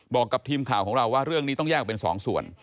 บอกกับทีมข่าวของเราว่าเรื่องนี้ต้องแยกออกเป็น๒ส่วน